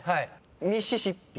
「ミシシッピ」